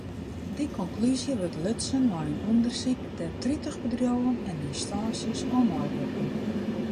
Dy konklúzje wurdt lutsen nei in ûndersyk dêr't tritich bedriuwen en ynstânsjes oan meiwurken.